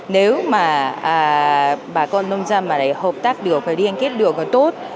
nếu mà bà con nông dân mà hợp tác được và điên kết được tốt